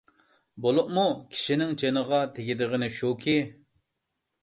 بولۇپمۇ كىشىنىڭ جېنىغا تېگىدىغىنى شۇكى،